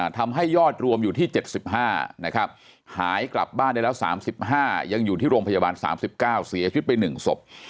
ทำให้ยอดรวมอยู่ที่๗๕นะครับหายกลับบ้านได้แล้ว๓๕ยังอยู่ที่โรงพยาบาล๓๙เสียชีวิตไป๑ศพ